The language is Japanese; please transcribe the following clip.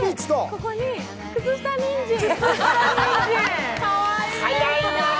ここに靴下にんじん。